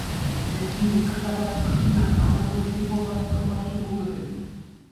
Эппин, Кӑтра-паттӑр хыҫҫӑнах кам Атӑлҫи Пӑлхарстан патши пулнӑ-ши?